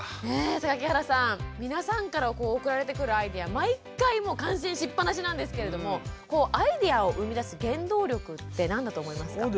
榊原さん皆さんから送られてくるアイデア毎回感心しっぱなしなんですけれどもアイデアを生み出す原動力って何だと思いますか？